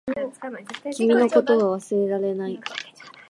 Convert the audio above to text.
君のことを忘れられない